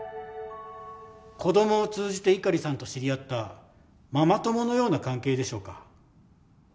子供を通じて碇さんと知り合ったママ友のような関係でしょうか？